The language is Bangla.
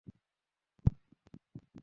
এটা কীভাবে হতে দিলে?